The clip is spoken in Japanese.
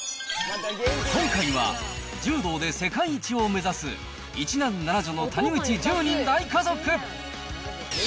今回は、柔道で世界一を目指す、１男７女の谷口１０人大家族。